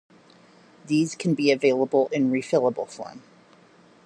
These can be available in refillable form.